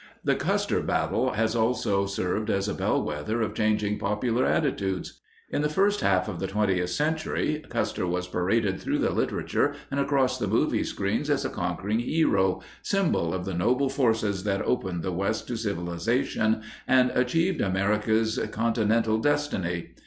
The Custer battle has also served as a bellwether of changing popular attitudes. In the first half of the 20th century, Custer was paraded through literature and across the movie screens as a conquering hero, symbol of the noble forces that opened the West to civilization and achieved America's continental destiny.